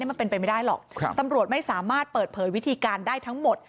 มันเป็นไปไม่ได้หรอกตำรวจไม่สามารถเปิดเผยวิธีการได้ทั้งหมด